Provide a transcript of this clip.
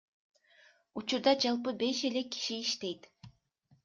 Учурда жалпы беш эле киши иштейт.